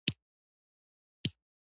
ښکالو یې سحراوجادوکوي په ښار، سړی دی